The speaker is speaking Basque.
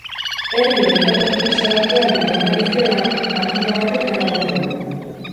Herri horretako enpresa batean lanean ari zela, makina batek harrapatu du.